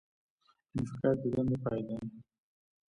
انفکاک د دندې پای دی